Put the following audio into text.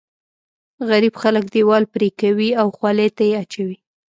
غريب خلک دیوال پرې کوي او خولې ته یې اچوي.